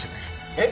えっ？